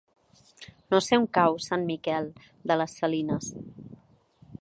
No sé on cau Sant Miquel de les Salines.